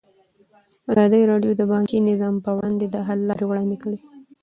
ازادي راډیو د بانکي نظام پر وړاندې د حل لارې وړاندې کړي.